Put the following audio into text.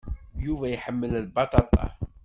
Yuba iḥemmel lbaṭaṭa.